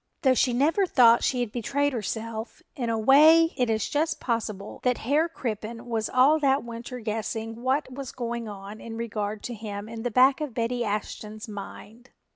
Though she never thought she had betrayed herself, in a way it is just possible that Herr Crippen was all that winter guessing what was going on in regard to him in the back of Betty Ashton's mind.